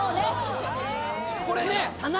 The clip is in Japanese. これね。